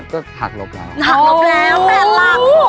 ก็หักรบแล้ว